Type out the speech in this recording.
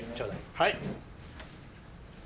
はい。